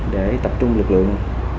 để tập trung lực lượng